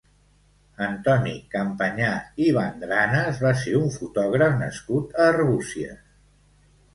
Antoni Campañà i Bandranas va ser un fotògraf nascut a Arbúcies.